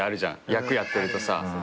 役やってるとさ。